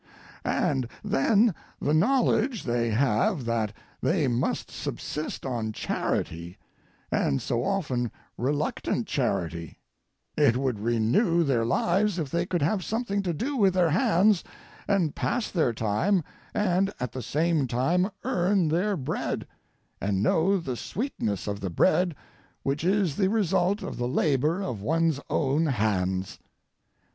And then the knowledge they have that they must subsist on charity, and so often reluctant charity, it would renew their lives if they could have something to do with their hands and pass their time and at the same time earn their bread, and know the sweetness of the bread which is the result of the labor of one's own hands.